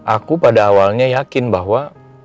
aku pada awalnya yakin bahwa